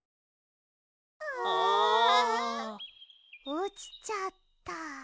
おちちゃった。